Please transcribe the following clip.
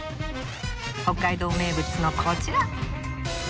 北海道名物のこちら！